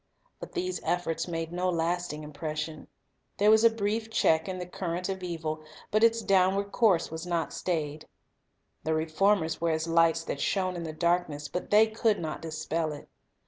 But these efforts made no lasting impression. There was a brief check in the current of evil, but its downward course was not stayed. The reformers were as lights that shone in the darkness; but they could not dispel it.